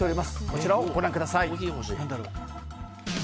こちらをご覧ください。